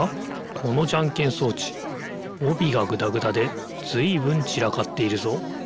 このじゃんけん装置おびがぐだぐだでずいぶんちらかっているぞ。